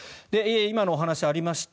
今、お話がありました